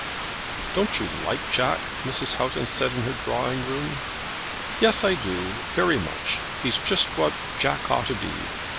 "Don't you like Jack?" Mrs. Houghton said to her in the drawing room. "Yes, I do; very much. He's just what Jack ought to be."